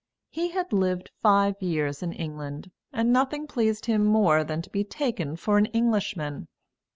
He had lived five years in England, and nothing pleased him more than to be taken for an Englishman.